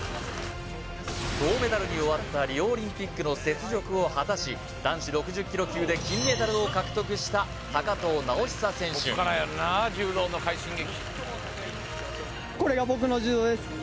銅メダルに終わったリオオリンピックの雪辱を果たし男子６０ｋｇ級で金メダルを獲得した藤直寿選手こっからやんな柔道の快進撃